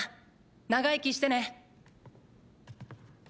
長生きしてね。